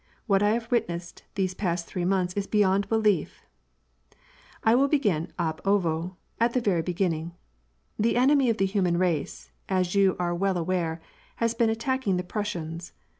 What I have wit^ nessed these past three months is beyond belief ! I will be^ ab ovo — at the very beginning. The "enemy of the human race/' as you are well aware, has been attacking the Pnissians.